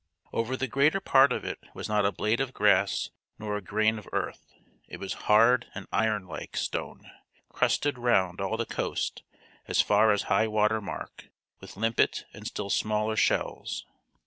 Over the greater part of it was not a blade of grass nor a grain of earth; it was hard and iron like stone, crusted round all the coast as far as high water mark with limpet and still smaller shells.